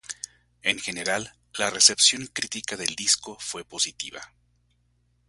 En general, la recepción crítica del disco fue positiva.